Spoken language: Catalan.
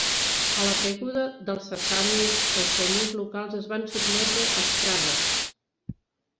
A la caiguda dels sassànides els senyors locals es van sotmetre als khàzars.